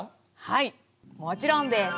はいもちろんです。